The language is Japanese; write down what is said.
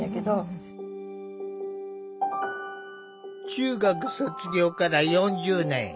中学卒業から４０年。